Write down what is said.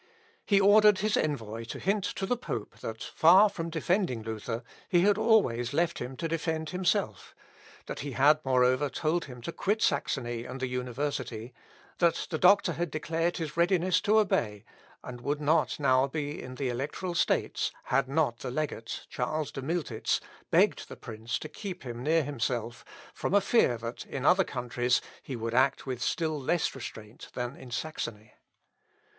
He ordered his envoy to hint to the pope that, far from defending Luther, he had always left him to defend himself, that he had moreover told him to quit Saxony and the university, that the doctor had declared his readiness to obey, and would not now be in the electoral states had not the legate, Charles de Miltitz, begged the prince to keep him near himself, from a fear that in other countries he would act with still less restraint than in Saxony.